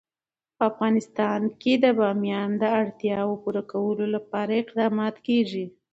په افغانستان کې د بامیان د اړتیاوو پوره کولو لپاره اقدامات کېږي.